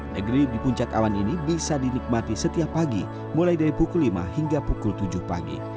negeri di puncak awan ini bisa dinikmati setiap pagi mulai dari pukul lima hingga pukul tujuh pagi